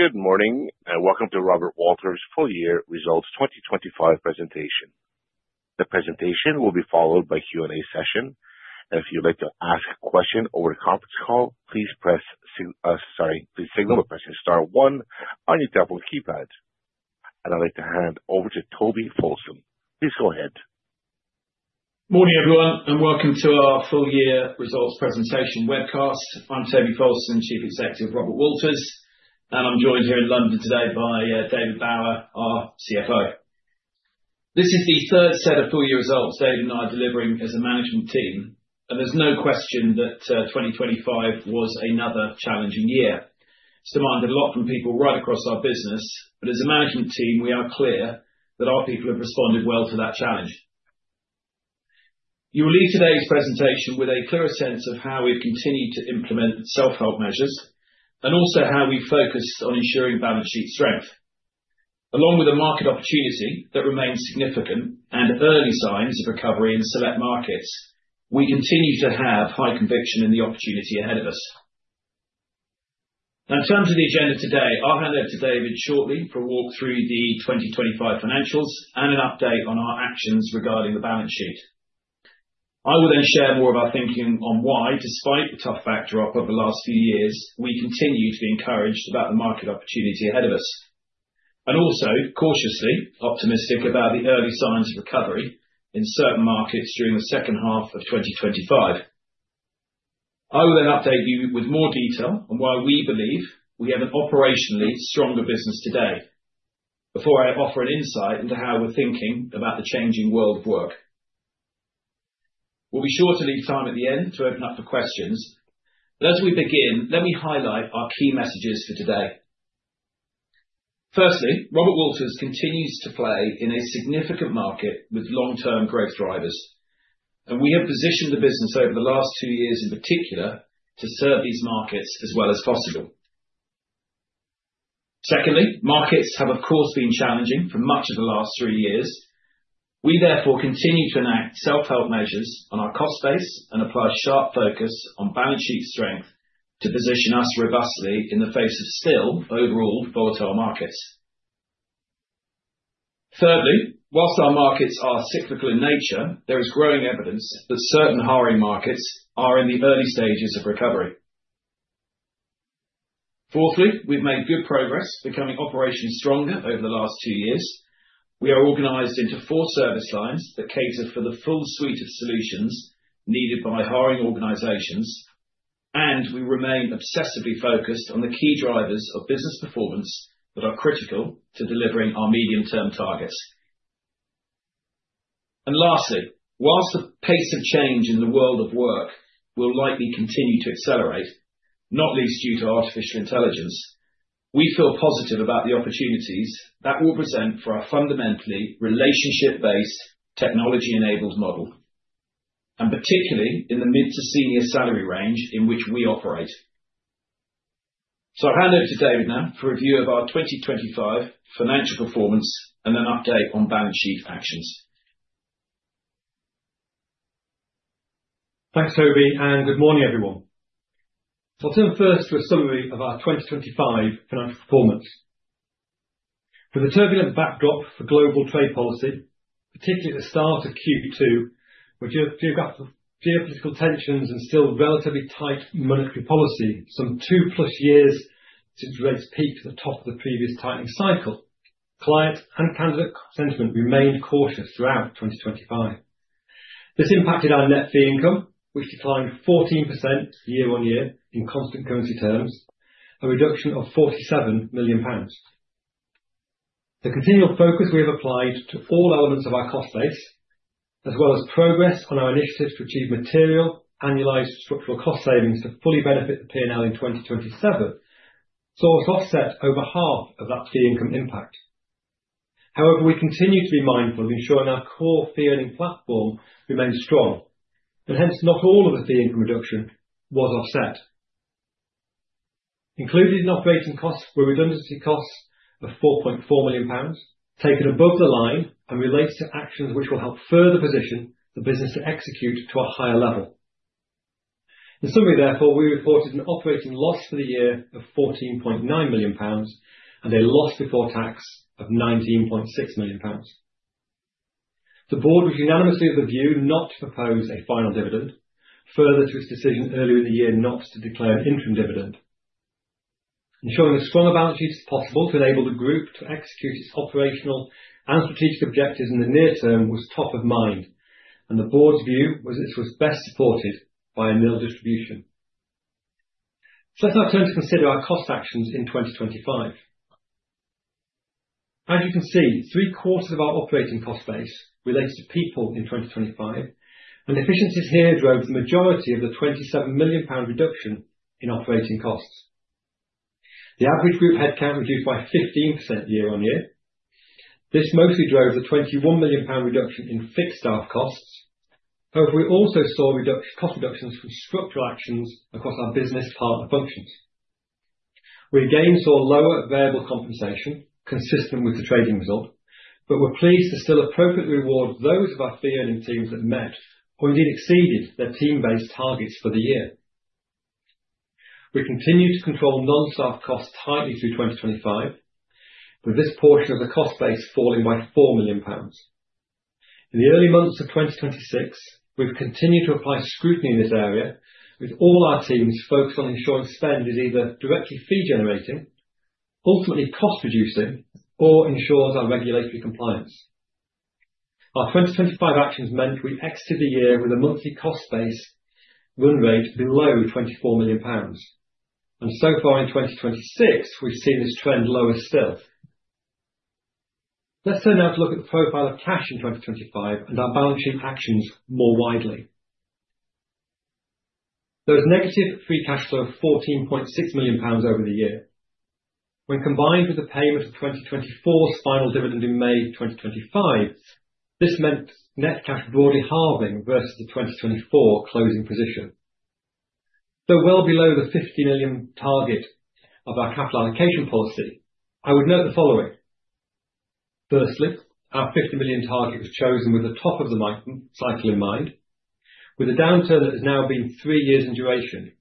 Good morning, and welcome to Robert Walters full year results 2025 presentation. The presentation will be followed by Q&A session. If you'd like to ask a question over the conference call, please signal by pressing star one on your telephone keypad. I'd like to hand over to Toby Fowlston. Please go ahead. Morning, everyone, and welcome to our full year results presentation webcast. I'm Toby Fowlston, Chief Executive of Robert Walters, and I'm joined here in London today by David Bower, our CFO. This is the third set of full year results David and I are delivering as a management team, and there's no question that 2025 was another challenging year. It's demanded a lot from people right across our business, but as a management team, we are clear that our people have responded well to that challenge. You will leave today's presentation with a clearer sense of how we've continued to implement self-help measures and also how we focus on ensuring balance sheet strength. Along with the market opportunity that remains significant and early signs of recovery in select markets, we continue to have high conviction in the opportunity ahead of us. Now in terms of the agenda today, I'll hand over to David shortly for a walk through the 2025 financials and an update on our actions regarding the balance sheet. I will then share more of our thinking on why, despite the tough backdrop over the last few years, we continue to be encouraged about the market opportunity ahead of us, and also cautiously optimistic about the early signs of recovery in certain markets during the H2 of 2025. I will then update you with more detail on why we believe we have an operationally stronger business today before I offer an insight into how we're thinking about the changing world of work. We'll be sure to leave time at the end to open up for questions. As we begin, let me highlight our key messages for today. Firstly, Robert Walters continues to play in a significant market with long-term growth drivers, and we have positioned the business over the last two years, in particular, to serve these markets as well as possible. Secondly, markets have, of course, been challenging for much of the last three years. We therefore continue to enact self-help measures on our cost base and apply sharp focus on balance sheet strength to position us robustly in the face of still overall volatile markets. Thirdly, while our markets are cyclical in nature, there is growing evidence that certain hiring markets are in the early stages of recovery. Fourthly, we've made good progress becoming operationally stronger over the last two years. We are organized into four service lines that cater for the full suite of solutions needed by hiring organizations, and we remain obsessively focused on the key drivers of business performance that are critical to delivering our medium-term targets. Lastly, while the pace of change in the world of work will likely continue to accelerate, not least due to artificial intelligence, we feel positive about the opportunities that will present for our fundamentally relationship-based, technology-enabled model, and particularly in the mid to senior salary range in which we operate. I hand over to David now for a view of our 2025 financial perfomance and an update on balance sheet actions. Thanks, Toby, and good morning, everyone. I'll turn first to a summary of our 2025 financial performance. With a turbulent backdrop for global trade policy, particularly at the start of Q2, where geopolitical tensions and still relatively tight monetary policy, some 2+ years since rates peaked at the top of the previous tightening cycle, client and candidate sentiment remained cautious throughout 2025. This impacted our net fee income, which declined 14% year-on-year in constant currency terms, a reduction of 47 million pounds. The continual focus we have applied to all elements of our cost base, as well as progress on our initiatives to achieve material annualized structural cost savings to fully benefit the P&L in 2027, so it's offset over 1/2 of that fee income impact. However, we continue to be mindful of ensuring our core fee earning platform remains strong, and hence not all of the fee income reduction was offset. Included in operating costs were redundancy costs of 4.4 million pounds, taken above the line and relates to actions which will help further position the business to execute to a higher level. In summary, therefore, we reported an operating loss for the year of 14.9 million pounds and a loss before tax of 19.6 million pounds. The board was unanimously of the view not to propose a final dividend, further to its decision earlier in the year not to declare an interim dividend. Ensuring the strongest balance sheet as possible to enable the group to execute its operational and strategic objectives in the near term was top of mind, and the board's view was this was best supported by a nil distribution. Let's now turn to consider our cost actions in 2025. As you can see, three-quarters of our operating cost base relates to people in 2025, and efficiencies here drove the majority of the 27 million pound reduction in operating costs. The average group headcount reduced by 15% year-on-year. This mostly drove the 21 million pound reduction in fixed staff costs. However, we also saw cost reductions from structural actions across our business partner functions. We again saw lower variable compensation consistent with the trading result, but we're pleased to still appropriately reward those of our fee earning teams that met or indeed exceeded their team-based targets for the year. We continue to control non-staff costs tightly through 2025, with this portion of the cost base falling by 4 million pounds. In the early months of 2026, we've continued to apply scrutiny in this area with all our teams focused on ensuring spend is either directly fee generating, ultimately cost reducing or ensures our regulatory compliance. Our 2025 actions meant we exited the year with a monthly cost base run rate below 24 million pounds. So far in 2026, we've seen this trend lower still. Let's turn now to look at the profile of cash in 2025 and our balance sheet actions more widely. There was negative free cash flow of GBP 14.6 million over the year. When combined with the payment of 2024's final dividend in May 2025, this meant net cash broadly halving versus the 2024 closing position. Though well below the 50 million target of our capital allocation policy, I would note the following. Firstly, our 50 million target was chosen with the top of the mid-cycle in mind. With the downturn that has now been three years in duration,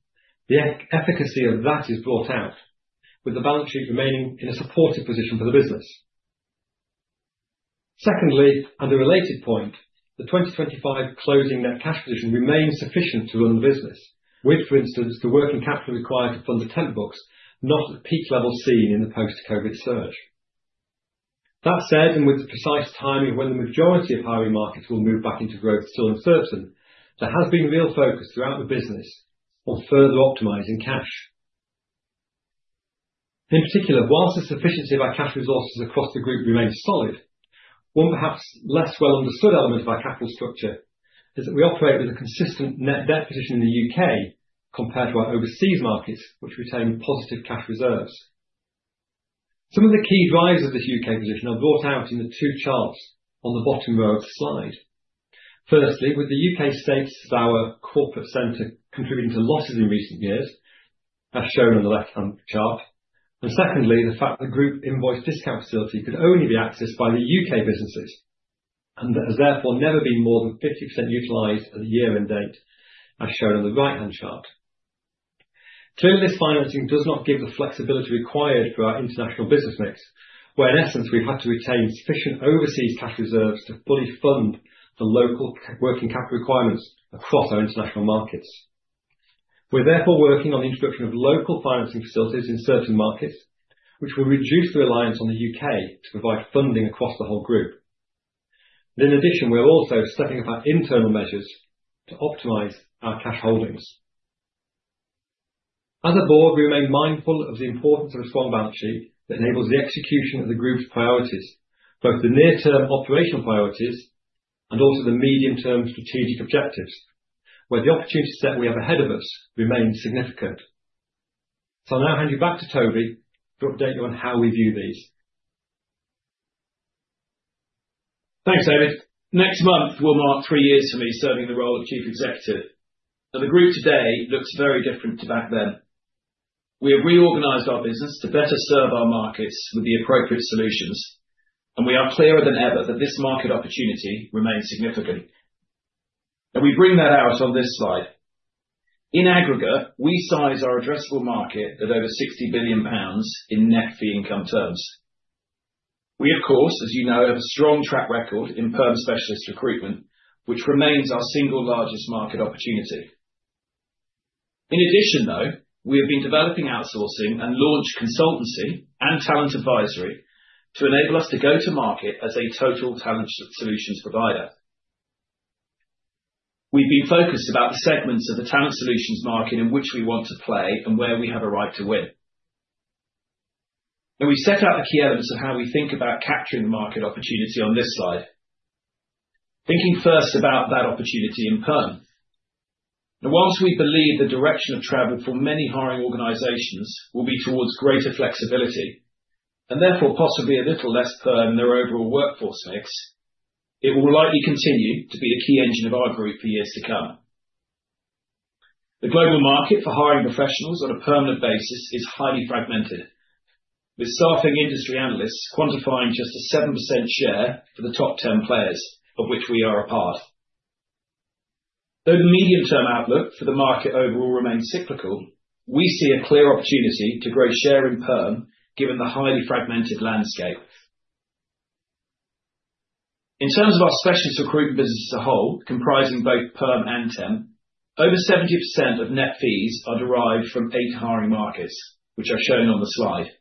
the efficacy of that is brought out with the balance sheet remaining in a supportive position for the business. Secondly, and the related point, the 2025 closing net cash position remains sufficient to run the business, with, for instance, the working capital required to fund the temp books, not at the peak level seen in the post-COVID surge. That said, with precise timing of when the majority of hiring markets will move back into growth still uncertain, there has been real focus throughout the business on further optimizing cash. In particular, while the sufficiency of our cash resources across the group remains solid, one perhaps less well understood element of our capital structure is that we operate with a consistent net debt position in the U.K. compared to our overseas markets, which retain positive cash reserves. Some of the key drivers of this U.K. position are brought out in the two charts on the bottom row of the slide. Firstly, with the U.K. status as our corporate center contributing to losses in recent years, as shown in the left-hand chart. Secondly, the fact the group invoice discount facility could only be accessed by the UK businesses, and that has therefore never been more than 50% utilized at the year-end date, as shown on the right-hand chart. Clearly, this financing does not give the flexibility required for our international business mix, where in essence, we've had to retain sufficient overseas cash reserves to fully fund the local working capital requirements across our international markets. We're therefore working on the introduction of local financing facilities in certain markets, which will reduce the reliance on the U.K. to provide funding across the whole group. In addition, we're also stepping up our internal measures to optimize our cash holdings. As a board, we remain mindful of the importance of a strong balance sheet that enables the execution of the group's priorities, both the near-term operational priorities and also the medium-term strategic objectives, where the opportunity set we have ahead of us remains significant. I'll now hand you back to Toby to update you on how we view these. Thanks, David. Next month will mark three years for me serving the role of chief executive, and the group today looks very different to back then. We have reorganized our business to better serve our markets with the appropriate solutions, and we are clearer than ever that this market opportunity remains significant. We bring that out on this slide. In aggregate, we size our addressable market at over 60 billion pounds in net fee income terms. We of course, as you know, have a strong track record in perm specialist recruitment, which remains our single largest market opportunity. In addition, though, we have been developing outsourcing and launch consultancy and talent advisory to enable us to go to market as a total talent solutions provider. We've been focused about the segments of the talent solutions market in which we want to play and where we have a right to win. We set out the key elements of how we think about capturing the market opportunity on this slide. Thinking first about that opportunity in perm. Now, whilst we believe the direction of travel for many hiring organizations will be towards greater flexibility and therefore possibly a little less perm in their overall workforce mix, it will likely continue to be a key engine of our group for years to come. The global market for hiring professionals on a permanent basis is highly fragmented, with staffing industry analysts quantifying just a 7% share for the top 10 players, of which we are a part. Though the medium-term outlook for the market overall remains cyclical, we see a clear opportunity to grow share in perm given the highly fragmented landscape. In terms of our specialist recruitment business as a whole, comprising both perm and temp, over 70% of net fees are derived from eight hiring markets, which are shown on the slide.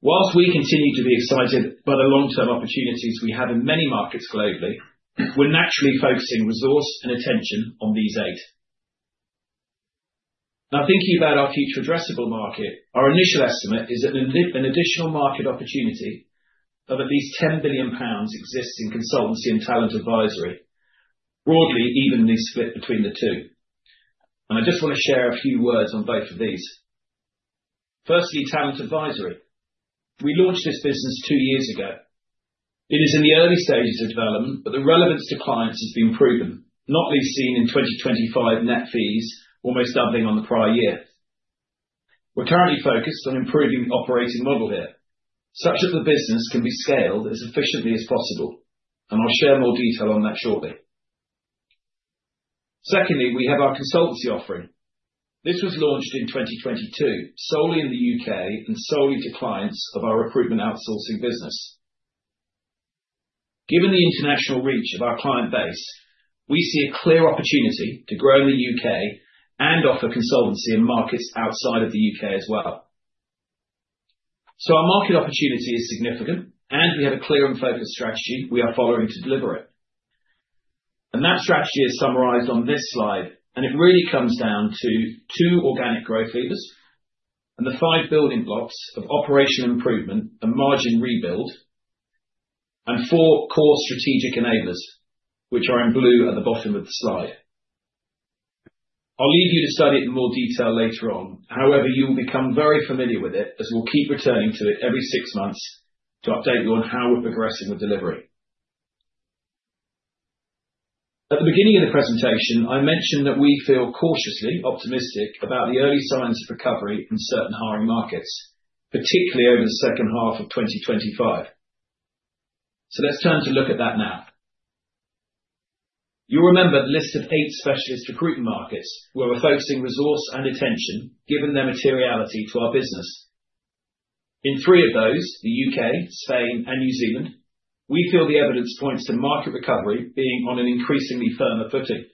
While we continue to be excited by the long-term opportunities we have in many markets globally, we're naturally focusing resource and attention on these eight. Now thinking about our future addressable market, our initial estimate is that an additional market opportunity of at least 10 billion pounds exists in consultancy and talent advisory, broadly evenly split between the two. I just want to share a few words on both of these. Firstly, talent advisory. We launched this business two years ago. It is in the early stages of development, but the relevance to clients has been proven, not least seen in 2025 net fees, almost doubling on the prior year. We're currently focused on improving the operating model here such that the business can be scaled as efficiently as possible, and I'll share more detail on that shortly. Secondly, we have our consultancy offering. This was launched in 2022 solely in the U.K. and solely to clients of our recruitment outsourcing business. Given the international reach of our client base, we see a clear opportunity to grow in the U.K. and offer consultancy in markets outside of the U.K. as well. Our market opportunity is significant, and we have a clear and focused strategy we are following to deliver it. That strategy is summarized on this slide, and it really comes down to two organic growth levers and the five building blocks of operational improvement and margin rebuild, and four core strategic enablers, which are in blue at the bottom of the slide. I'll leave you to study it in more detail later on. However, you will become very familiar with it, as we'll keep returning to it every six months to update you on how we're progressing with delivery. At the beginning of the presentation, I mentioned that we feel cautiously optimistic about the early signs of recovery in certain hiring markets, particularly over the H2 of 2025. Let's turn to look at that now. You'll remember the list of eight specialist recruitment markets where we're focusing resource and attention given their materiality to our business. In three of those, the U.K., Spain, and New Zealand, we feel the evidence points to market recovery being on an increasingly firmer footing.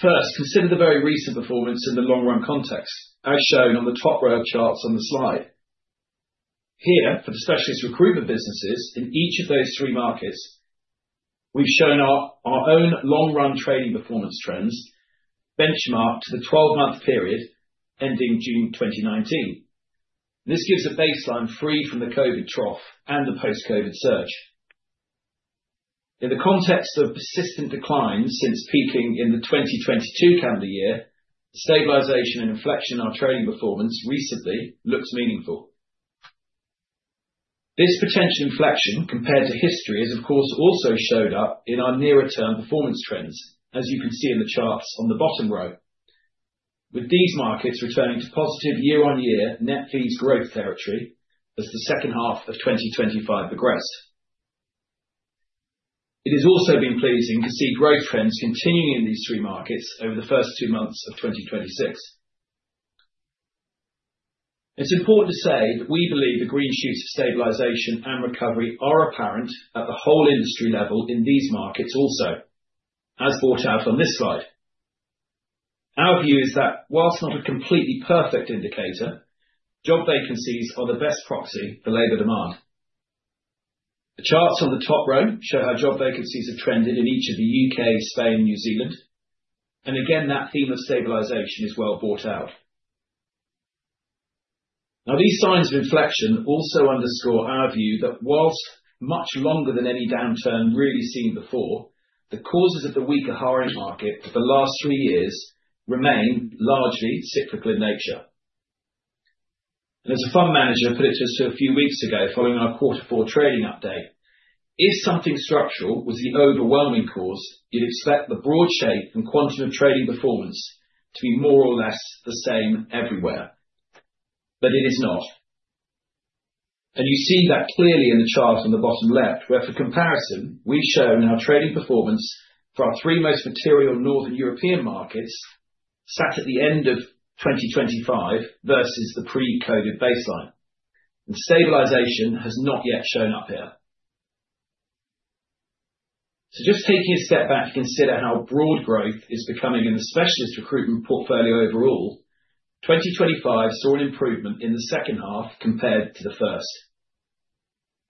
First, consider the very recent performance in the long run context as shown on the top row of charts on the slide. Here, for the specialist recruitment businesses in each of those three markets, we've shown our own long run trading performance trends benchmarked to the 12-month period ending June 2019. This gives a baseline free from the COVID trough and the post-COVID surge. In the context of persistent declines since peaking in the 2022 calendar year, stabilization and inflection in our trading performance recently looks meaningful. This potential inflection compared to history has of course also showed up in our nearer term performance trends, as you can see in the charts on the bottom row. With these markets returning to positive year-on-year net fees growth territory as the H2 of 2025 progressed. It has also been pleasing to see growth trends continuing in these three markets over the first two months of 2026. It's important to say that we believe the green shoots of stabilization and recovery are apparent at the whole industry level in these markets also, as brought out on this slide. Our view is that whilst not a completely perfect indicator, job vacancies are the best proxy for labor demand. The charts on the top row show how job vacancies have trended in each of the U.K., Spain, and New Zealand, and again, that theme of stabilization is well brought out. Now, these signs of inflection also underscore our view that while much longer than any downturn really seen before, the causes of the weaker hiring market for the last three years remain largely cyclical in nature. As a fund manager put it to us a few weeks ago following our Q4 trading update, "If something structural was the overwhelming cause, it would have set the broad shape and quantum of trading performance to be more or less the same everywhere." It is not, and you see that clearly in the chart on the bottom left, where for comparison, we've shown our trading performance for our three most material Northern European markets sat at the end of 2025 versus the pre-Covid baseline. The stabilization has not yet shown up here. Just taking a step back to consider how broad growth is becoming in the specialist recruitment portfolio overall, 2025 saw an improvement in the H2 compared to the H1.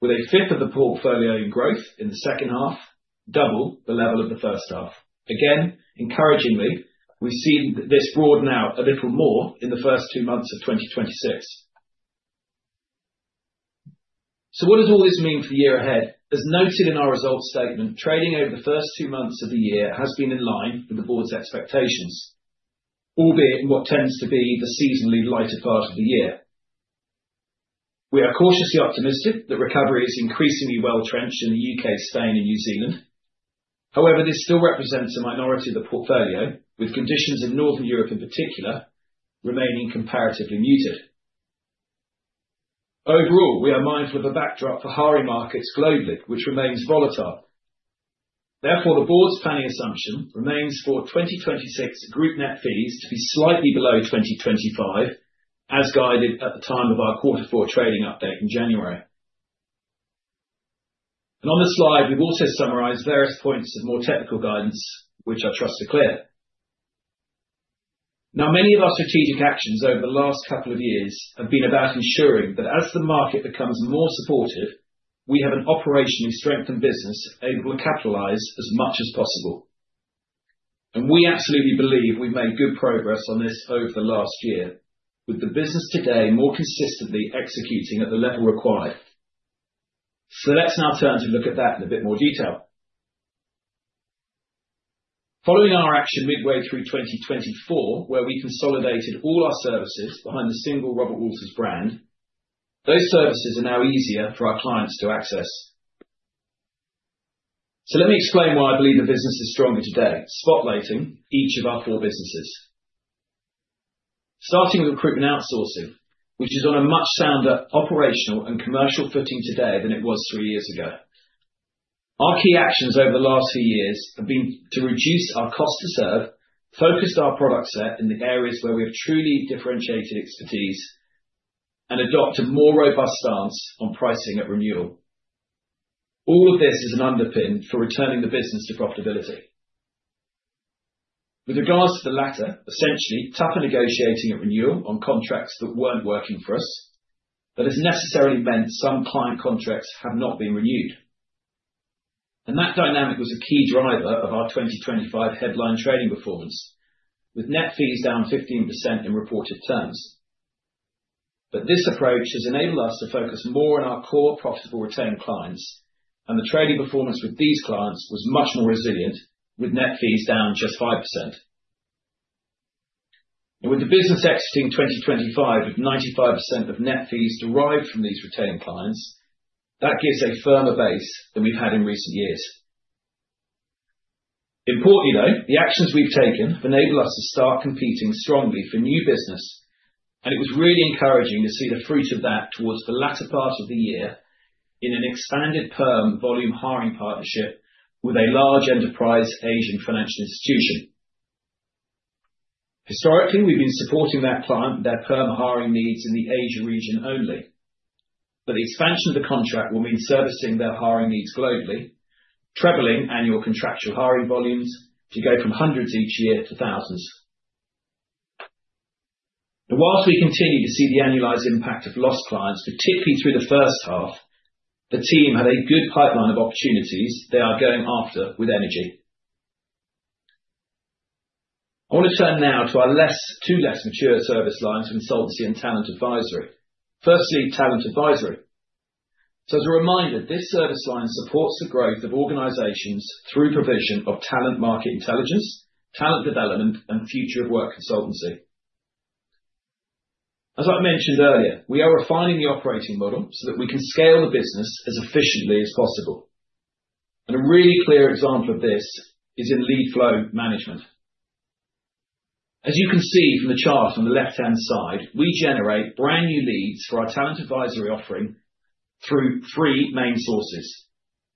With a fifth of the portfolio in growth in the H2, double the level of the H1. Again, encouragingly, we've seen this broaden out a little more in the first two months of 2026. What does all this mean for the year ahead? As noted in our results statement, trading over the first two months of the year has been in line with the board's expectations, albeit in what tends to be the seasonally lighter part of the year. We are cautiously optimistic that recovery is increasingly well-trenched in the U.K., Spain, and New Zealand. However, this still represents a minority of the portfolio, with conditions in Northern Europe in particular remaining comparatively muted. Overall, we are mindful of a backdrop for hiring markets globally, which remains volatile. Therefore, the board's planning assumption remains for 2026 group net fees to be slightly below 2025, as guided at the time of our Q4 trading update in January. On this slide, we've also summarized various points of more technical guidance, which I trust are clear. Now, many of our strategic actions over the last couple of years have been about ensuring that as the market becomes more supportive, we have an operationally strengthened business able to capitalize as much as possible. We absolutely believe we've made good progress on this over the last year with the business today more consistently executing at the level required. Let's now turn to look at that in a bit more detail. Following our action midway through 2024, where we consolidated all our services behind the single Robert Walters brand, those services are now easier for our clients to access. Let me explain why I believe the business is stronger today, spotlighting each of our four businesses. Starting with recruitment outsourcing, which is on a much sounder operational and commercial footing today than it was three years ago. Our key actions over the last few years have been to reduce our cost to serve, focused our product set in the areas where we have truly differentiated expertise, and adopt a more robust stance on pricing at renewal. All of this is an underpin for returning the business to profitability. With regards to the latter, essentially tougher negotiating at renewal on contracts that weren't working for us, that has necessarily meant some client contracts have not been renewed. That dynamic was a key driver of our 2025 headline trading performance, with net fees down 15% in reported terms. This approach has enabled us to focus more on our core profitable retained clients, and the trading performance with these clients was much more resilient with net fees down just 5%. With the business exiting 2025 with 95% of net fees derived from these retained clients, that gives a firmer base than we've had in recent years. Importantly, though, the actions we've taken enable us to start competing strongly for new business, and it was really encouraging to see the fruit of that towards the latter part of the year in an expanded perm volume hiring partnership with a large enterprise Asian financial institution. Historically, we've been supporting that client with their perm hiring needs in the Asia region only. The expansion of the contract will mean servicing their hiring needs globally, trebling annual contractual hiring volumes to go from hundreds each year to thousands. While we continue to see the annualized impact of lost clients, particularly through the first half, the team have a good pipeline of opportunities they are going after with energy. I want to turn now to our two less mature service lines, consultancy and talent advisory. Firstly, talent advisory. As a reminder, this service line supports the growth of organizations through provision of talent market intelligence, talent development, and future of work consultancy. As I mentioned earlier, we are refining the operating model so that we can scale the business as efficiently as possible. A really clear example of this is in lead flow management. As you can see from the chart on the left-hand side, we generate brand new leads for our talent advisory offering through three main sources.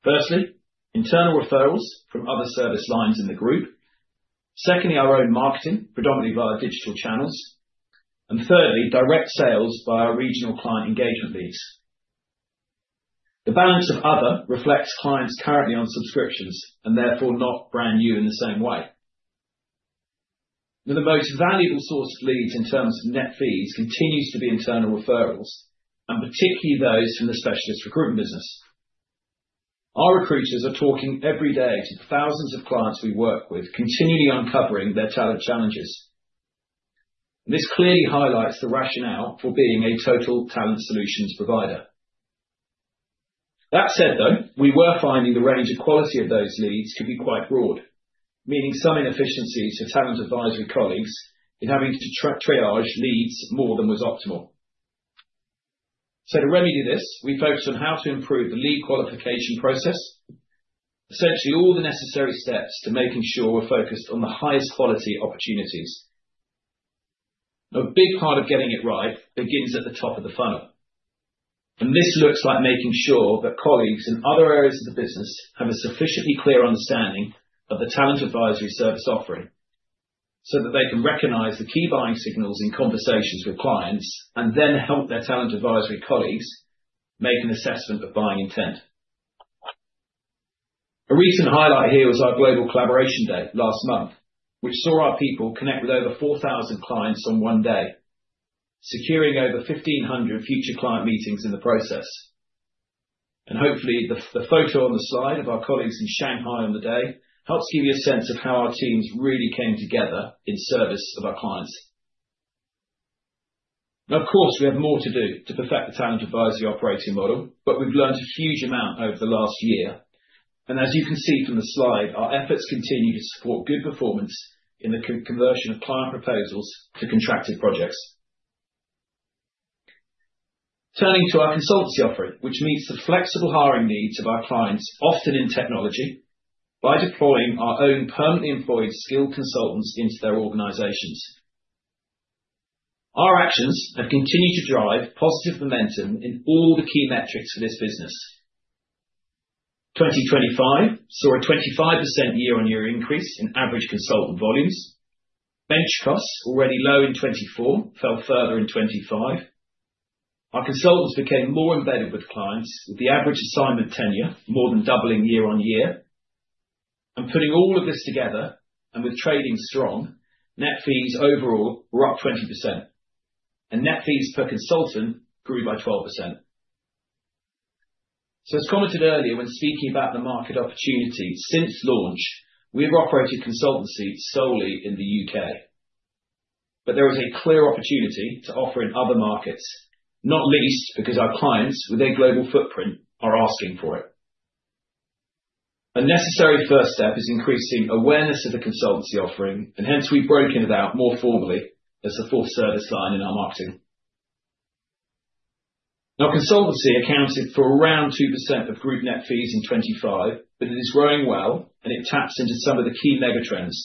Firstly, internal referrals from other service lines in the group. Secondly, our own marketing, predominantly via digital channels. And thirdly, direct sales via our regional client engagement leads. The balance of other reflects clients currently on subscriptions and therefore not brand new in the same way. Now, the most valuable source of leads in terms of net fees continues to be internal referrals, and particularly those from the specialist recruitment business. Our recruiters are talking every day to thousands of clients we work with, continually uncovering their talent challenges. This clearly highlights the rationale for being a total talent solutions provider. That said, though, we were finding the range of quality of those leads to be quite broad, meaning some inefficiencies for talent advisory colleagues in having to triage leads more than was optimal. To remedy this, we focused on how to improve the lead qualification process. Essentially, all the necessary steps to making sure we're focused on the highest quality opportunities. A big part of getting it right begins at the top of the funnel, and this looks like making sure that colleagues in other areas of the business have a sufficiently clear understanding of the talent advisory service offering, so that they can recognize the key buying signals in conversations with clients and then help their talent advisory colleagues make an assessment of buying intent. A recent highlight here was our Global Collaboration Day last month, which saw our people connect with over 4,000 clients on one day, securing over 1,500 future client meetings in the process. Hopefully, the photo on the slide of our colleagues in Shanghai on the day helps give you a sense of how our teams really came together in service of our clients. Now, of course, we have more to do to perfect the talent advisory operating model, but we've learned a huge amount over the last year. As you can see from the slide, our efforts continue to support good performance in the conversion of client proposals to contracted projects. Turning to our consultancy offering, which meets the flexible hiring needs of our clients, often in technology, by deploying our own permanently employed skilled consultants into their organizations. Our actions have continued to drive positive momentum in all the key metrics for this business. 2025 saw a 25% year-on-year increase in average consultant volumes. Bench costs, already low in 2024, fell further in 2025. Our consultants became more embedded with clients, with the average assignment tenure more than doubling year-on-year. Putting all of this together, and with trading strong, net fees overall were up 20%, and net fees per consultant grew by 12%. As commented earlier, when speaking about the market opportunity, since launch, we have operated consultancy solely in the U.K., but there is a clear opportunity to offer in other markets, not least because our clients with a global footprint are asking for it. A necessary first step is increasing awareness of the consultancy offering, and hence we've broken it out more formally as a full service line in our marketing. Now consultancy accounted for around 2% of group net fees in 2025, but it is growing well and it taps into some of the key mega trends,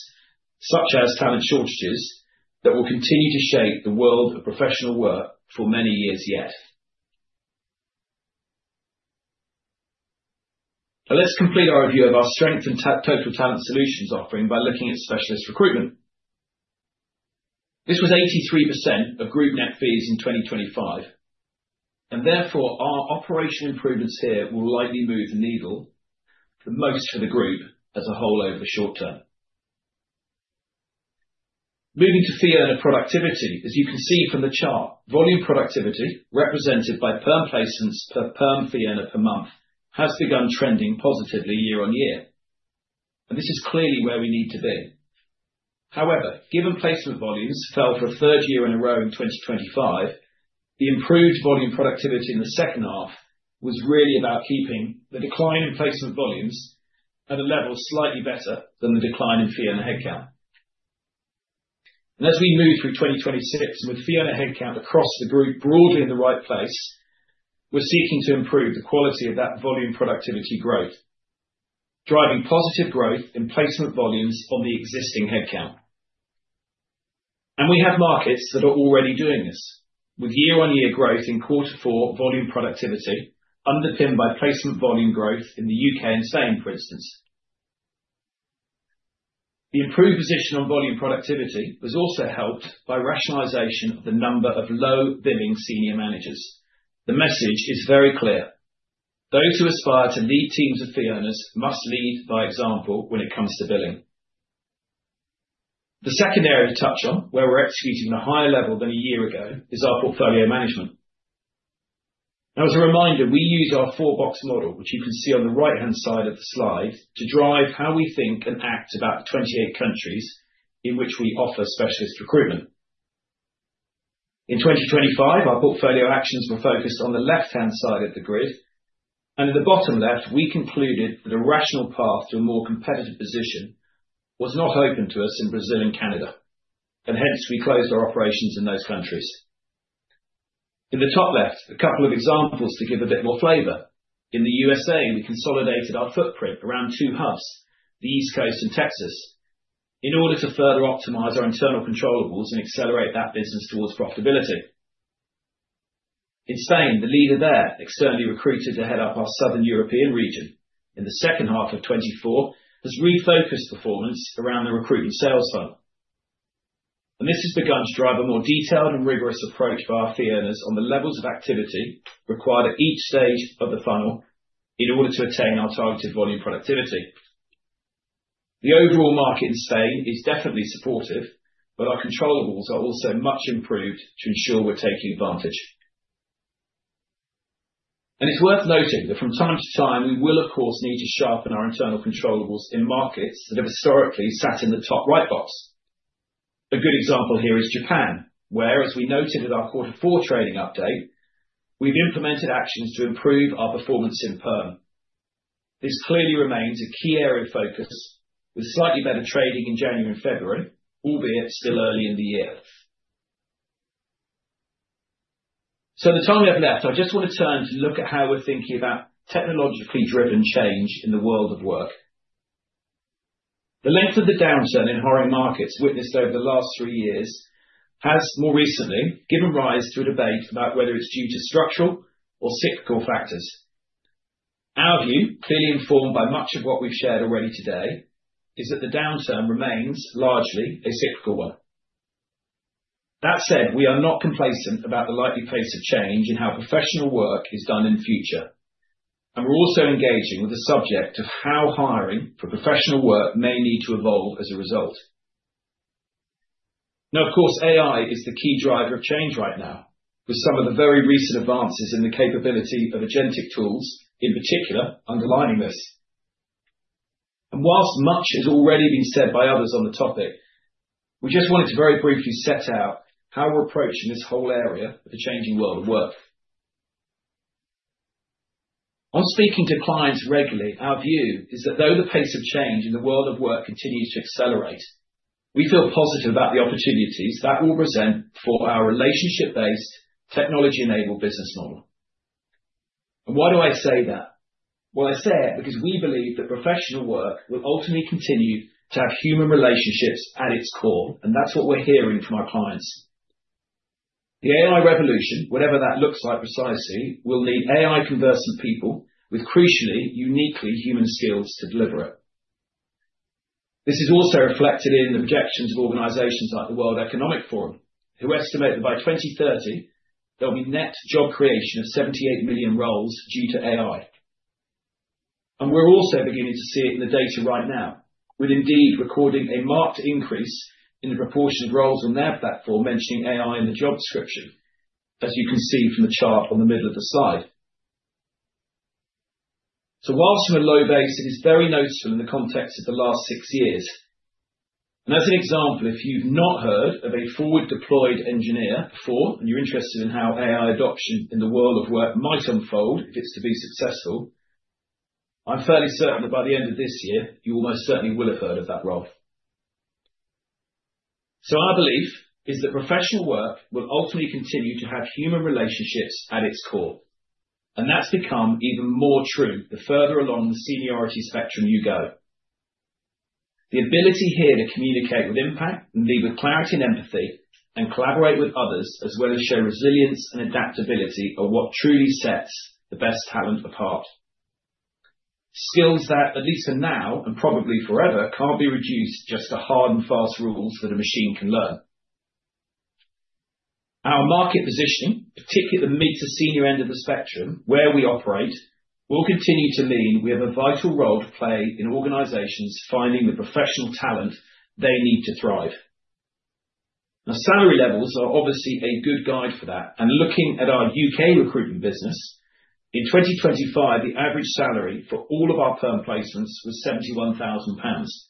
such as talent shortages, that will continue to shape the world of professional work for many years yet. Now let's complete our review of our strength and total talent solutions offering by looking at specialist recruitment. This was 83% of group net fees in 2025, and therefore, our operational improvements here will likely move the needle the most for the group as a whole over the short term. Moving to fee earner productivity, as you can see from the chart, volume productivity represented by perm placements per perm fee earner per month has begun trending positively year on year, and this is clearly where we need to be. However, given placement volumes fell for a third year in a row in 2025, the improved volume productivity in the H2 was really about keeping the decline in placement volumes at a level slightly better than the decline in fee earner headcount. As we move through 2026, and with fee earner headcount across the group broadly in the right place, we're seeking to improve the quality of that volume productivity growth, driving positive growth in placement volumes on the existing headcount. We have markets that are already doing this with year-on-year growth in Q4 volume productivity underpinned by placement volume growth in the U.K. and Spain, for instance. The improved position on volume productivity was also helped by rationalization of the number of low-billing senior managers. The message is very clear. Those who aspire to lead teams of fee earners must lead by example when it comes to billing. The second area to touch on where we're executing at a higher level than a year ago is our portfolio management. Now, as a reminder, we use our four-box model, which you can see on the right-hand side of the slide, to drive how we think and act about 28 countries in which we offer specialist recruitment. In 2025, our portfolio actions were focused on the left-hand side of the grid, and at the bottom left, we concluded that a rational path to a more competitive position was not open to us in Brazil and Canada, and hence we closed our operations in those countries. In the top left, a couple of examples to give a bit more flavor. In the USA, we consolidated our footprint around two hubs, the East Coast and Texas, in order to further optimize our internal controllables and accelerate that business towards profitability. In Spain, the leader there externally recruited to head up our Southern European region in the H2 of 2024 has refocused performance around the recruitment sales funnel. This has begun to drive a more detailed and rigorous approach by our fee earners on the levels of activity required at each stage of the funnel in order to attain our targeted volume productivity. The overall market in Spain is definitely supportive, but our controllables are also much improved to ensure we're taking advantage. It's worth noting that from time to time, we will of course need to sharpen our internal controllables in markets that have historically sat in the top right box. A good example here is Japan, where, as we noted in our Q4 trading update, we've implemented actions to improve our performance in perm. This clearly remains a key area of focus with slightly better trading in January and February, albeit still early in the year. The time we have left, I just want to turn to look at how we're thinking about technologically driven change in the world of work. The length of the downturn in hiring markets witnessed over the last three years has more recently given rise to a debate about whether it's due to structural or cyclical factors. Our view, clearly informed by much of what we've shared already today, is that the downturn remains largely a cyclical one. That said, we are not complacent about the likely pace of change in how professional work is done in future, and we're also engaging with the subject of how hiring for professional work may need to evolve as a result. Now, of course, AI is the key driver of change right now with some of the very recent advances in the capability of agentic tools, in particular underlining this. While much has already been said by others on the topic, we just wanted to very briefly set out how we're approaching this whole area of the changing world of work. On speaking to clients regularly, our view is that though the pace of change in the world of work continues to accelerate, we feel positive about the opportunities that will present for our relationship-based technology-enabled business model. Why do I say that? Well, I say it because we believe that professional work will ultimately continue to have human relationships at its core, and that's what we're hearing from our clients. The AI revolution, whatever that looks like precisely, will need AI-conversant people with crucially, uniquely human skills to deliver it. This is also reflected in the projections of organizations like the World Economic Forum, who estimate that by 2030 there'll be net job creation of 78 million roles due to AI. We're also beginning to see it in the data right now with Indeed recording a marked increase in the proportion of roles on their platform mentioning AI in the job description, as you can see from the chart on the middle of the slide. While from a low base it is very noticeable in the context of the last six years, and as an example, if you've not heard of a forward deployed engineer before and you're interested in how AI adoption in the world of work might unfold if it's to be successful, I'm fairly certain that by the end of this year, you almost certainly will have heard of that role. Our belief is that professional work will ultimately continue to have human relationships at its core, and that's become even more true the further along the seniority spectrum you go. The ability here to communicate with impact and lead with clarity and empathy and collaborate with others, as well as show resilience and adaptability, are what truly sets the best talent apart. Skills that, at least for now and probably forever, can't be reduced just to hard and fast rules that a machine can learn. Our market position, particularly the mid to senior end of the spectrum where we operate, will continue to mean we have a vital role to play in organizations finding the professional talent they need to thrive. The salary levels are obviously a good guide for that. Looking at our U.K. recruitment business, in 2025, the average salary for all of our perm placements was 71,000 pounds.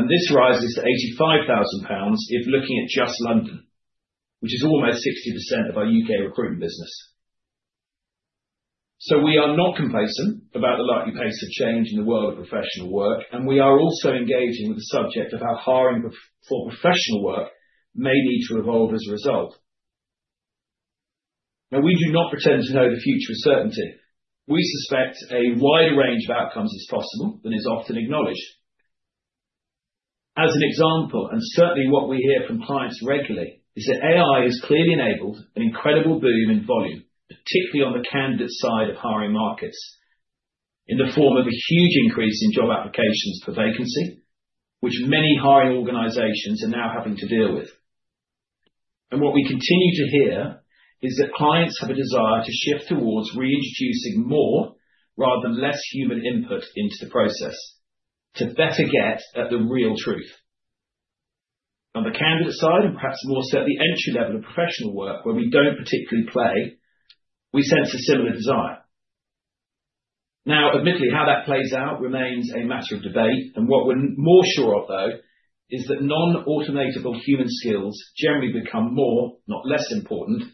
This rises to 85,000 pounds if looking at just London, which is almost 60% of our U.K. recruitment business. We are not complacent about the likely pace of change in the world of professional work, and we are also engaging with the subject of how hiring for professional work may need to evolve as a result. Now, we do not pretend to know the future with certainty. We suspect a wider range of outcomes is possible than is often acknowledged. As an example, and certainly what we hear from clients regularly, is that AI has clearly enabled an incredible boom in volume, particularly on the candidate side of hiring markets, in the form of a huge increase in job applications per vacancy, which many hiring organizations are now having to deal with. What we continue to hear is that clients have a desire to shift towards reintroducing more rather than less human input into the process to better get at the real truth. On the candidate side, and perhaps more so at the entry level of professional work where we don't particularly play, we sense a similar desire. Now, admittedly, how that plays out remains a matter of debate. What we're more sure of, though, is that non-automatable human skills generally become more, not less important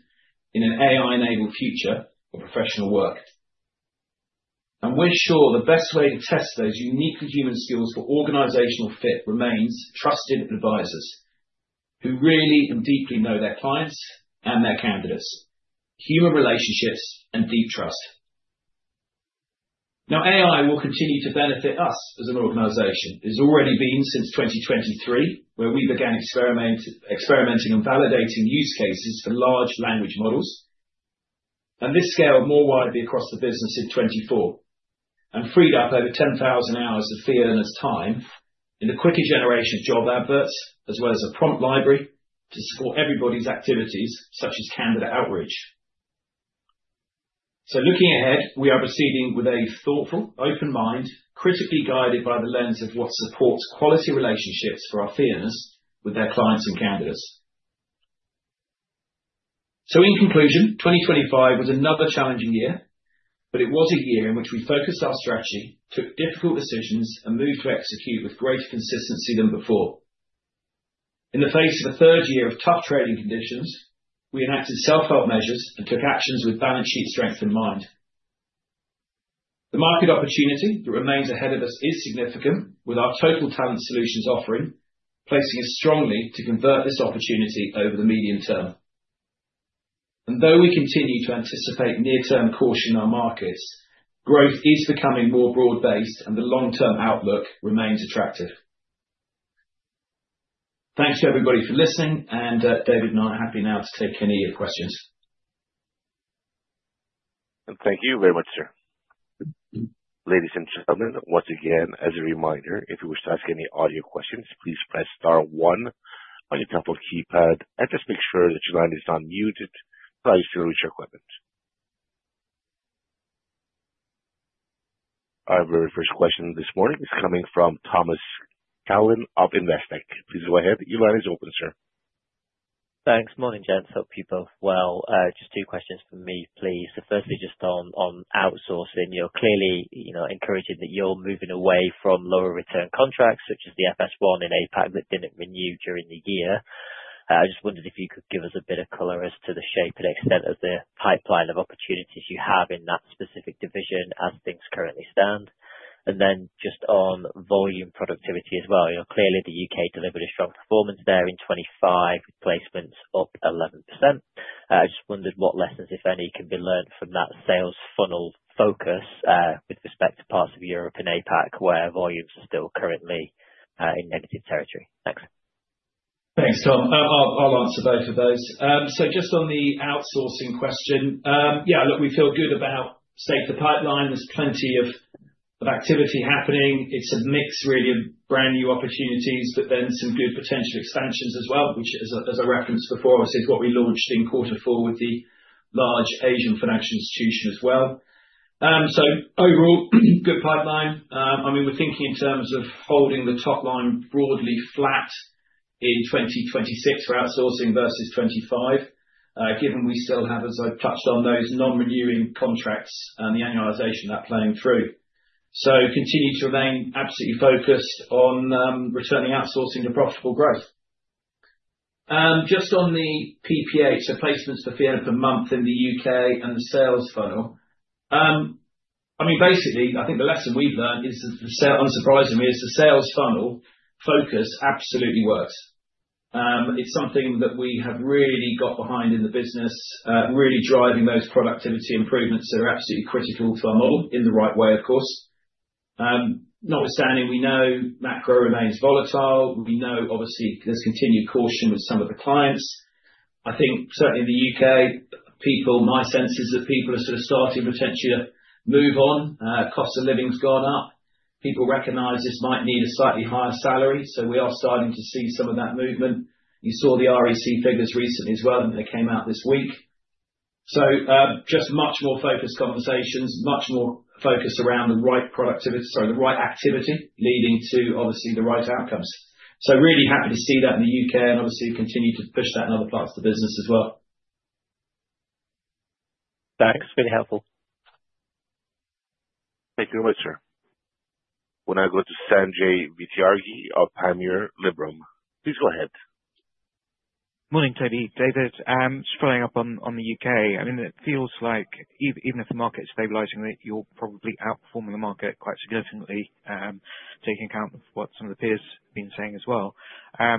in an AI-enabled future for professional work. We're sure the best way to test those uniquely human skills for organizational fit remains trusted advisors who really and deeply know their clients and their candidates, human relationships and deep trust. Now, AI will continue to benefit us as an organization. It's already been since 2023, where we began experimenting and validating use cases for large language models. This scaled more widely across the business in 2024 and freed up over 10,000 hours of fee earners' time in the quicker generation of job adverts, as well as a prompt library to support everybody's activities, such as candidate outreach. Looking ahead, we are proceeding with a thoughtful, open mind, critically guided by the lens of what supports quality relationships for our fee earners with their clients and candidates. In conclusion, 2025 was another challenging year, but it was a year in which we focused our strategy, took difficult decisions, and moved to execute with greater consistency than before. In the face of a third year of tough trading conditions, we enacted self-help measures and took actions with balance sheet strength in mind. The market opportunity that remains ahead of us is significant, with our total talent solutions offering placing us strongly to convert this opportunity over the medium term. Though we continue to anticipate near-term caution in our markets, growth is becoming more broad-based and the long-term outlook remains attractive. Thanks, everybody, for listening. David and I are happy now to take any of your questions. Thank you very much, sir. Ladies and gentlemen, once again, as a reminder, if you wish to ask any audio questions, please press star one on your telephone keypad and just make sure that your line is unmuted prior to releasing your equipment. Our very first question this morning is coming from Thomas Allen of Investec. Please go ahead. Your line is open, sir. Thanks. Morning, gents. Hope you're both well. Just two questions from me, please. Firstly, just on outsourcing. You're clearly, you know, encouraging that you're moving away from lower return contracts such as the FS one in APAC that didn't renew during the year. I just wondered if you could give us a bit of color as to the shape and extent of the pipeline of opportunities you have in that specific division as things currently stand. Just on volume productivity as well. You know, clearly the U.K. delivered a strong performance there in 2025, with placements up 11%. I just wondered what lessons, if any, can be learned from that sales funnel focus, with respect to parts of Europe and APAC, where volumes are still currently in negative territory. Thanks. Thanks, Thomas. I'll answer both of those. Just on the outsourcing question, yeah, look, we feel good about state of the pipeline. There's plenty of activity happening. It's a mix really of brand new opportunities, but then some good potential expansions as well, which as a reference before obviously is what we launched in quarter four with the large Asian financial institution as well. Overall good pipeline. I mean, we're thinking in terms of holding the top line broadly flat in 2026 for outsourcing versus 2025, given we still have, as I've touched on, those non-renewing contracts and the annualization of that playing through. Continue to remain absolutely focused on returning outsourcing to profitable growth. Just on the PPA, placements per fee earner per month in the U.K. and the sales funnel, I mean, basically, I think the lesson we've learned is, unsurprisingly, the sales funnel focus absolutely works. It's something that we have really got behind in the business, really driving those productivity improvements that are absolutely critical to our model in the right way, of course. Notwithstanding, we know macro remains volatile. We know obviously there's continued caution with some of the clients. I think certainly in the U.K., people, my sense is that people are sort of starting to potentially move on. Cost of living's gone up. People recognize this might need a slightly higher salary, so we are starting to see some of that movement. You saw the REC figures recently as well, and they came out this week. Just much more focused conversations, much more focus around the right activity, leading to, obviously, the right outcomes. Really happy to see that in the U.K. and obviously continue to push that in other parts of the business as well. Thanks. Really helpful. Thank you very much, sir. We'll now go to Sanjay Vidyarthi of Panmure Liberum. Please go ahead. Morning, Toby. David, just following up on the UK. I mean, it feels like even if the market's stabilizing, that you're probably outperforming the market quite significantly, taking account of what some of the peers have been saying as well. I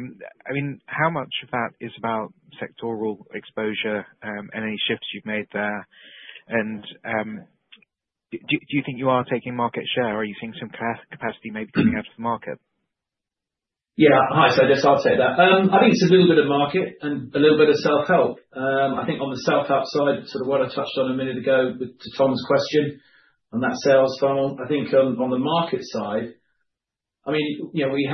mean, how much of that is about sectoral exposure, and any shifts you've made there? Do you think you are taking market share or are you seeing some capacity maybe coming out of the market? Yeah. Hi, Sanjay. Sorry about that. I think it's a little bit of market and a little bit of self-help. I think on the self-help side, sort of what I touched on a minute ago with to Thomas's question on that sales funnel. I think on the market side, I mean, you know, we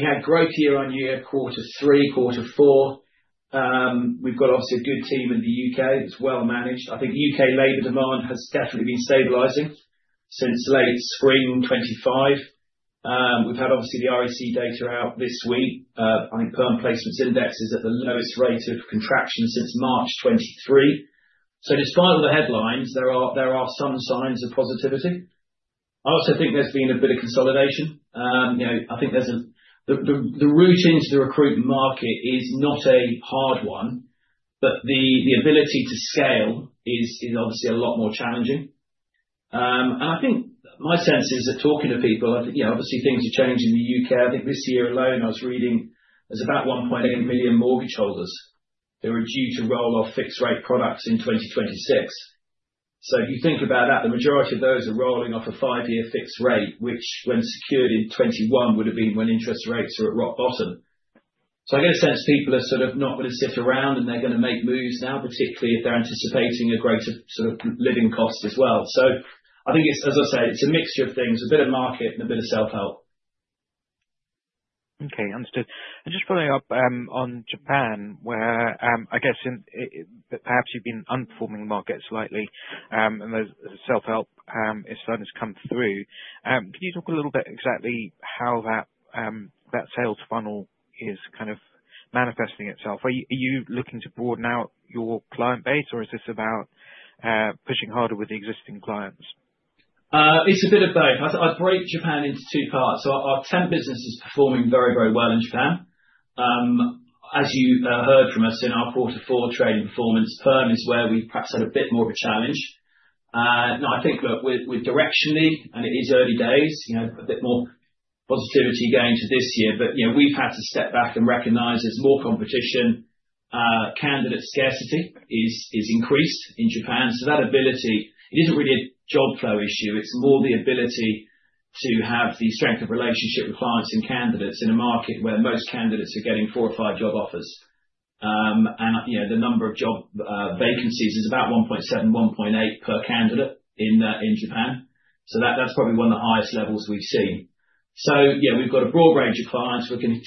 had growth year on year, quarter three, quarter four. We've got obviously a good team in the U.K. that's well managed. I think U.K. labor demand has definitely been stabilizing since late spring 2025. We've had obviously the REC data out this week. I think perm placements index is at the lowest rate of contraction since March 2023. Despite all the headlines, there are some signs of positivity. I also think there's been a bit of consolidation. You know, I think there's a The route into the recruitment market is not a hard one, but the ability to scale is obviously a lot more challenging. I think my sense is, of talking to people, I think, you know, obviously things are changing in the U.K.. I think this year alone, I was reading there's about 1.8 million mortgage holders that were due to roll off fixed rate products in 2026. If you think about that, the majority of those are rolling off a 5-year fixed rate, which when secured in 2021, would've been when interest rates were at rock bottom. I get a sense people are sort of not gonna sit around, and they're gonna make moves now, particularly if they're anticipating a greater sort of living cost as well. I think it's, as I say, it's a mixture of things, a bit of market and a bit of self-help. Okay. Understood. Just following up on Japan, where I guess that perhaps you've been outperforming the market slightly, and those self-help actions have come through. Can you talk a little bit exactly how that sales funnel is kind of manifesting itself? Are you looking to broaden out your client base or is this about pushing harder with the existing clients? It's a bit of both. I'd break Japan into two parts. Our temp business is performing very, very well in Japan. As you heard from us in our quarter four trading performance, perm is where we've perhaps had a bit more of a challenge. Now I think, look, with directionally, and it is early days, you know, a bit more positivity going into this year, but, you know, we've had to step back and recognize there's more competition. Candidate scarcity is increased in Japan. That ability. It isn't really a job flow issue, it's more the ability to have the strength of relationship with clients and candidates in a market where most candidates are getting four or five job offers. You know, the number of job vacancies is about 1.7-1.8 per candidate in Japan. That's probably one of the highest levels we've seen. Yeah, we've got a broad range of clients. We're gonna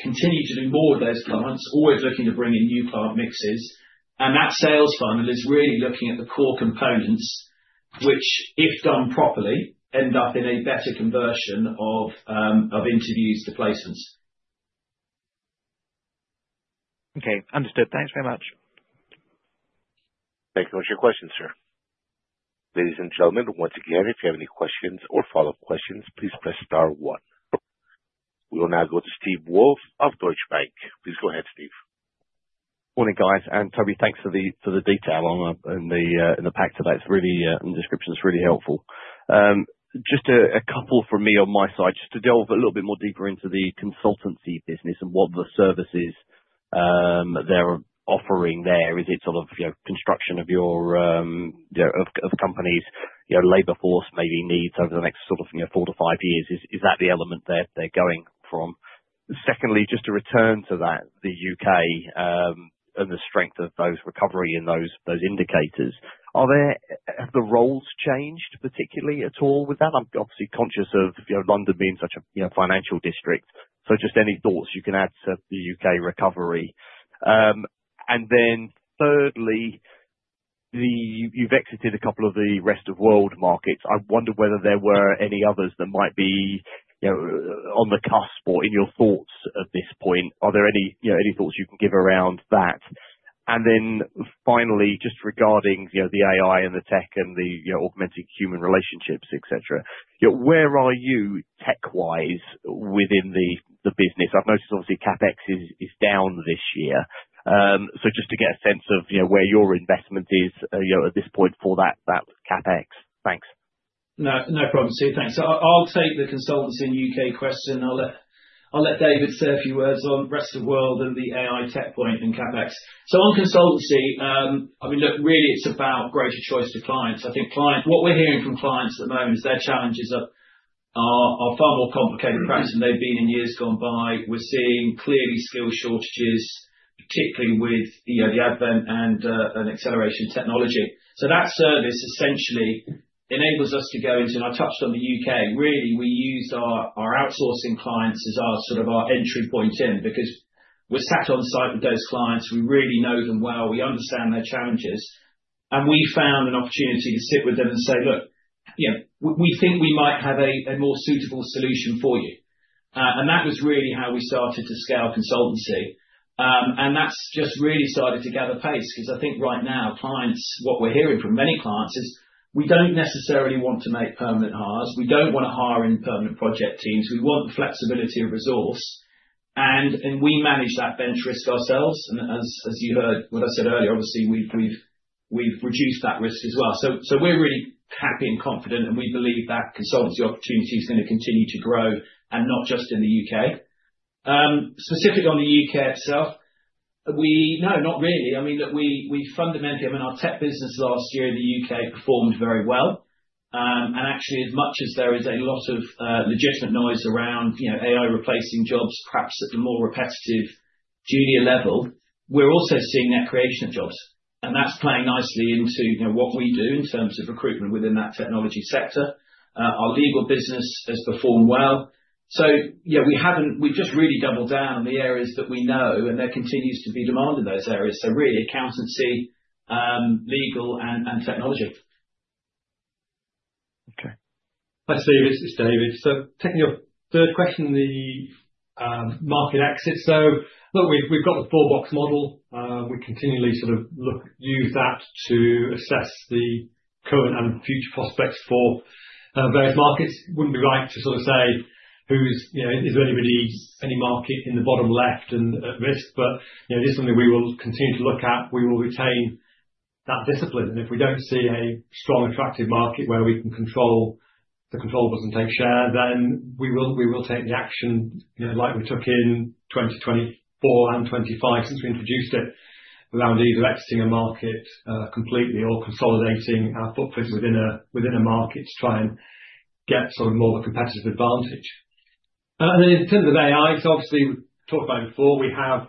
continue to onboard those clients, always looking to bring in new client mixes. That sales funnel is really looking at the core components, which if done properly, end up in a better conversion of interviews to placements. Okay. Understood. Thanks very much. Thank you. That's your question, sir. Ladies and gentlemen, once again, if you have any questions or follow-up questions, please press star one. We will now go to Steve Wolff of Deutsche Bank. Please go ahead, Steve. Morning, guys. Toby, thanks for the detail in the pack today. It's really, and the description is really helpful. Just a couple from me on my side, just to delve a little bit more deeper into the consultancy business and what the services they're offering there. Is it sort of, you know, construction of your, you know, of companies, you know, labor force maybe needs over the next sort of, you know, four years-five years? Is that the element they're going from? Secondly, just to return to that, the U.K. and the strength of the recovery and those indicators. Have the roles changed particularly at all with that? I'm obviously conscious of, you know, London being such a, you know, financial district, so just any thoughts you can add to the U.K. recovery. Thirdly, you've exited a couple of the rest of world markets. I wonder whether there were any others that might be, you know, on the cusp or in your thoughts at this point. Are there any, you know, any thoughts you can give around that? Finally, just regarding, you know, the AI and the tech and the, you know, augmented human relationships, et cetera, you know, where are you tech-wise within the business? I've noticed obviously CapEx is down this year. So just to get a sense of, you know, where your investment is, you know, at this point for that CapEx. Thanks. No, no problem, Steve. Thanks. I'll take the consultancy in U.K. question. I'll let David say a few words on rest of world and the AI tech point and CapEx. On consultancy, I mean, look, really, it's about greater choice to clients. What we're hearing from clients at the moment is their challenges are far more complicated perhaps than they've been in years gone by. We're seeing clearly skill shortages, particularly with, you know, the advent and acceleration technology. That service essentially enables us to go into. I touched on the U.K. Really, we used our outsourcing clients as our sort of entry point in, because we're sat on site with those clients. We really know them well. We understand their challenges. We found an opportunity to sit with them and say, "Look, you know, we think we might have a more suitable solution for you." That was really how we started to scale consultancy. That's just really started to gather pace 'cause I think right now clients, what we're hearing from many clients is we don't necessarily want to make permanent hires. We don't wanna hire in permanent project teams. We want the flexibility of resource, and we manage that bench risk ourselves. As you heard what I said earlier, obviously, we've reduced that risk as well. We're really happy and confident, and we believe that consultancy opportunity is gonna continue to grow and not just in the U.K. Specifically on the U.K. itself, no, not really. Look, we fundamentally, I mean our tech business last year in the U.K. performed very well. Actually, as much as there is a lot of legitimate noise around, you know, AI replacing jobs, perhaps at the more repetitive junior level, we're also seeing net creation of jobs, and that's playing nicely into, you know, what we do in terms of recruitment within that technology sector. Our legal business has performed well. Yeah, we've just really doubled down on the areas that we know, and there continues to be demand in those areas. Really, accountancy, legal and technology. Okay. Hi, Steve. It's David. Taking your third question, the market exit. Look, we've got the four box model. We continually sort of use that to assess the current and future prospects for various markets. Wouldn't be right to sort of say who's, you know, is there anybody, any market in the bottom left and at risk, but, you know, it is something we will continue to look at. We will retain that discipline. If we don't see a strong, attractive market where we can control the controllables and take share, then we will take the action, you know, like we took in 2024 and 2025, since we introduced it, around either exiting a market completely or consolidating our footprint within a market to try and get sort of more of a competitive advantage. In terms of AI, obviously we've talked about it before. We have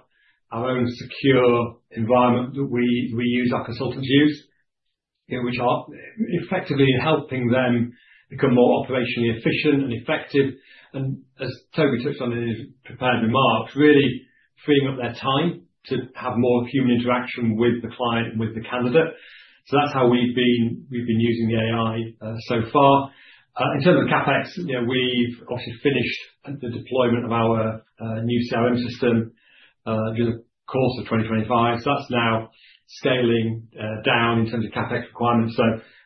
our own secure environment that we use, our consultants use, you know, which are effectively helping them become more operationally efficient and effective. As Toby touched on in his prepared remarks, really freeing up their time to have more human interaction with the client and with the candidate. That's how we've been using the AI so far. In terms of CapEx, you know, we've obviously finished the deployment of our new CRM system during the course of 2025. That's now scaling down in terms of CapEx requirements.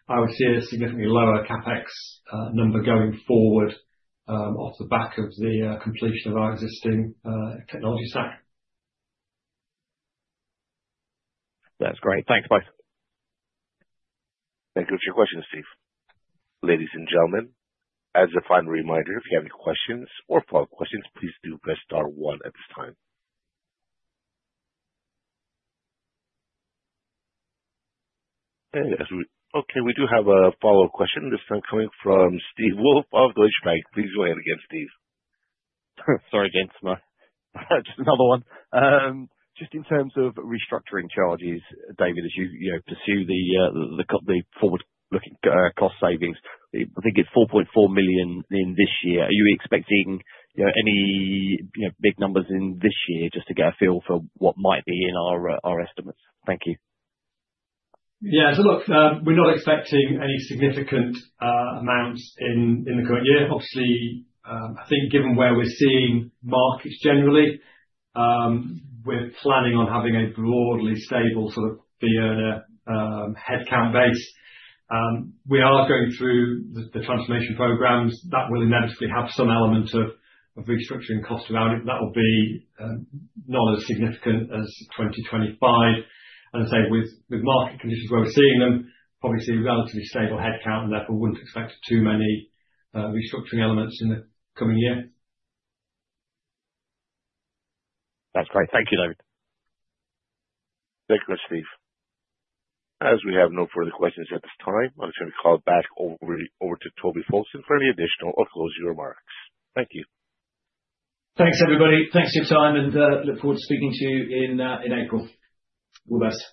I would see a significantly lower CapEx number going forward off the back of the completion of our existing technology stack. That's great. Thanks. Bye. Thank you for your questions, Steve Wolff. Ladies and gentlemen, as a final reminder, if you have any questions or follow-up questions, please do press star one at this time. We do have a follow-up question, this time coming from Steve Wolff of Deutsche Bank. Please go ahead again, Steve Wolff. Sorry again. Just another one. Just in terms of restructuring charges, David, as you know, pursue the forward-looking cost savings, I think it's 4.4 million in this year. Are you expecting, you know, any big numbers in this year just to get a feel for what might be in our estimates? Thank you. Look, we're not expecting any significant amounts in the current year. Obviously, I think given where we're seeing markets generally, we're planning on having a broadly stable sort of pre-earner headcount base. We are going through the transformation programs. That will inevitably have some element of restructuring cost around it. That will be not as significant as 2025. As I say, with market conditions where we're seeing them, obviously relatively stable headcount and therefore wouldn't expect too many restructuring elements in the coming year. That's great. Thank you, David. Thank you, Steve. As we have no further questions at this time, I'm just gonna call back over to Toby Fowlston for any additional or closing remarks. Thank you. Thanks, everybody. Thanks for your time and look forward to speaking to you in April. All the best.